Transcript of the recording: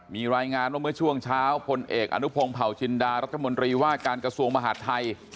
มีรายงานว่าเมื่อช่วงเช้าพลเอกอนุพงศ์เผาจินดารัฐมนตรีว่าการกระทรวงมหาดไทย